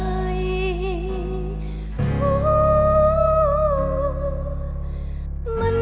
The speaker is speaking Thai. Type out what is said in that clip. สวัสดีครับ